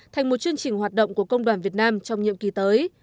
thành một chương trình hoạt động của công đoàn việt nam trong nhiệm kỳ tới